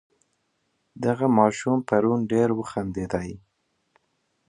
دغه ماشوم پرون ډېر وخندېدی.